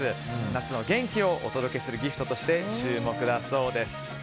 夏の元気をお届けするギフトとして注目だそうです。